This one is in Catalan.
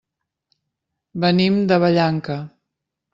Venim de Vallanca.